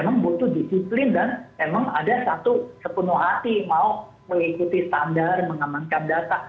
memang butuh disiplin dan emang ada satu sepenuh hati mau mengikuti standar mengamankan data